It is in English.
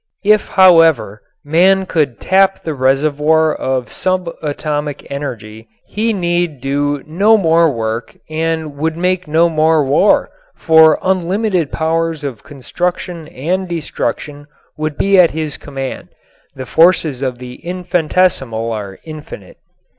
If, however, man could tap the reservoir of sub atomic energy he need do no more work and would make no more war, for unlimited powers of construction and destruction would be at his command. The forces of the infinitesimal are infinite.